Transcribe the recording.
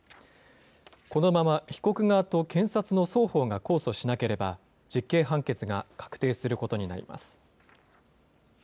このまま被告側と検察の双方が控訴しなければ、実刑判決が確定することになります。